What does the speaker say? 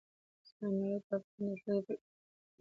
زمرد د افغان ښځو په ژوند کې رول لري.